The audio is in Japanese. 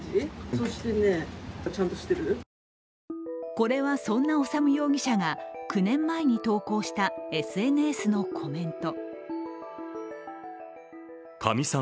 これはそんな修容疑者が９年前に投稿したＳＮＳのコメント。